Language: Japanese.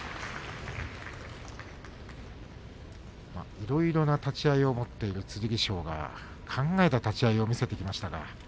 いろいろな立ち合いを持っている剣翔が考えた立ち合いを見せてきました。